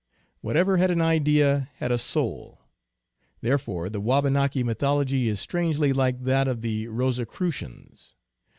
Whatever had an idea had a soul. Therefore the Wabanaki mythology is strangely like that of the Rosicrueians.